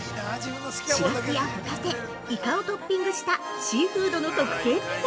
シラスやホタテ、イカをトッピングしたシーフードの特製ピザ。